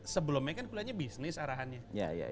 sebelumnya kan kuliahnya bisnis arahannya